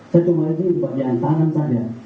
saya cuma ini bagian tangan saja